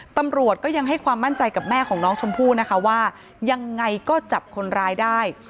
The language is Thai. ตำรวจก็ยังให้ความมั่นใจกับแม่ของน้องชมพู่นะคะว่ายังไงก็จับคนร้ายได้